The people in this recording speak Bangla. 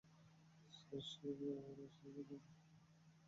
সার্সি, তোমার ব্যাপারে কিছু বলো।